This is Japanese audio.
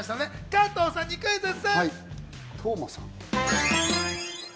加藤さんにクイズッス！